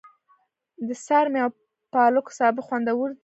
د څارمي او پالکو سابه خوندور وي.